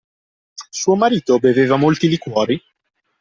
Suo marito beveva molti liquori?